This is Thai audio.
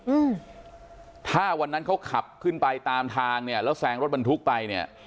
อืมถ้าวันนั้นเขาขับขึ้นไปตามทางเนี้ยแล้วแซงรถบรรทุกไปเนี่ย